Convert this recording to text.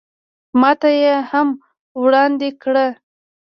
ماته یې هم وړاندې کړ.